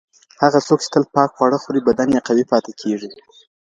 هغه څوک چې تل پاک خواړه خوري، بدن یې قوي پاتې کیږي.